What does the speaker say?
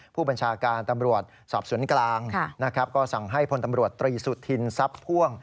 ผู้บัญชาการตำรวจสอบสวนกลางนะครับก็สั่งให้พลตำรวจตรีสุธินทรัพย์พ่วง